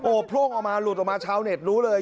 โพร่งออกมาหลุดออกมาชาวเน็ตรู้เลย